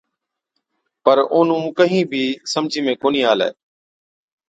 پَر اونهُون ڪهِين بِي سمجھِي ۾ ڪونهِي آلَي۔